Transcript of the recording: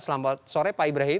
selamat sore pak ibrahim